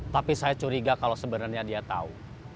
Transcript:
tapi saya curiga kalau sebenarnya dia tahu